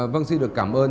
vâng xin được cảm ơn